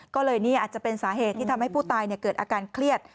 ก็เลยนี่อาจจะเป็นสาเหตุที่ทำให้ผู้ตายเกิดอาการเครียด